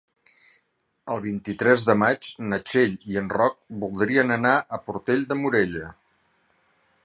El vint-i-tres de maig na Txell i en Roc voldrien anar a Portell de Morella.